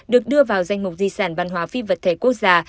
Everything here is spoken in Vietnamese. được đưa vào danh mục di sản văn hóa phi vật thể quốc gia